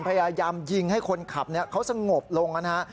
พยายามยิงให้คนขับเขาสงบลงนะฮะ